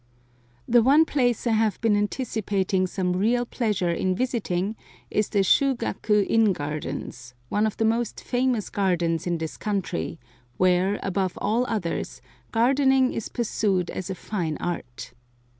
The one place I have been anticipating some real pleasure in visiting is the Shu gaku In gardens, one of the most famous gardens in this country where, above all others, gardening is pursued as a fine art.